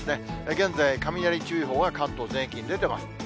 現在、雷注意報が関東全域に出てます。